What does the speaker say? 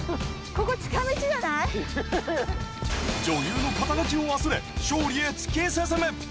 女優の肩書きを忘れ勝利へ突き進む。